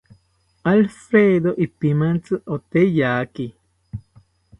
Alfredo ipimantzi oteyaki